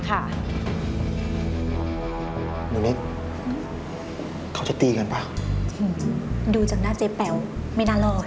สามารถรับชมได้ทุกวัย